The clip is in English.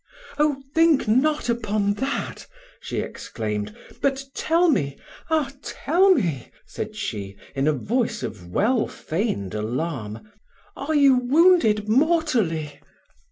"Oh! think not upon that," she exclaimed, "but tell me ah! tell me," said she, in a voice of well feigned alarm, "are you wounded mortally?